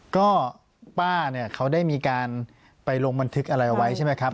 ก็ป้าเนี่ยเขาได้มีการไปลงบันทึกอะไรเอาไว้ใช่ไหมครับ